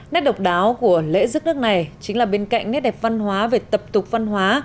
nét độc đáo của lễ rước nước này chính là bên cạnh nét đẹp văn hóa về tập tục văn hóa